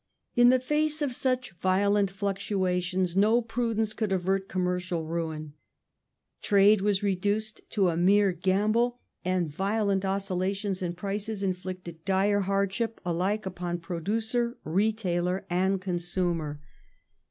In the face of such violent fluctuations no prudence could avert com mercial ruin ; trade was reduced to a mere gamble, and violent oscillations in prices inflicted dire hardship alike upon producer, retailer, and consumer.